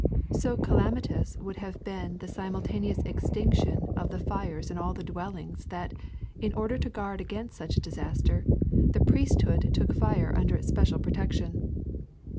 *^ So calamitous would have been the simultaneous extinction of the fires in all the dwellings that, in order to guard against such a disaster, the priest hood took fire under its special protection.